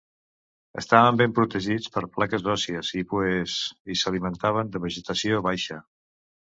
Estaven ben protegits per plaques òssies i pues i s'alimentaven de vegetació baixa.